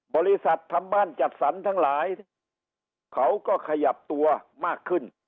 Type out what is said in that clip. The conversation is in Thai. บริษัททำบ้านจัดสรรทั้งหลายเขาก็ขยับตัวมากขึ้น